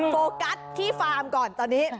โฟกัสที่ฟาร์มก่อนตอนนี้